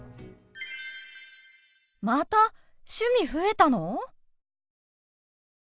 また趣味増えたの！？